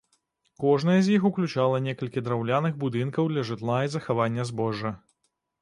Кожная з іх уключала некалькі драўляных будынкаў для жытла і захавання збожжа.